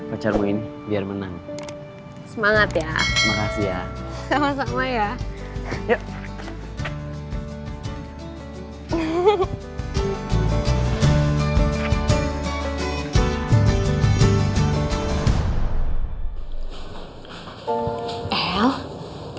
pacarmuin biar menang semangat ya makasih ya sama sama ya yuk